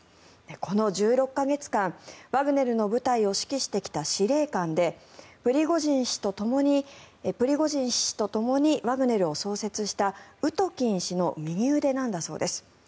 この１６か月間ワグネルの部隊を指揮してきた司令官でプリゴジン氏とともにワグネルを創設したウトキン氏の右腕なんだそうです。